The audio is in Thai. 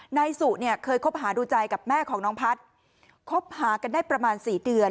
นายสุเนี่ยเคยคบหาดูใจกับแม่ของน้องพัฒน์คบหากันได้ประมาณ๔เดือน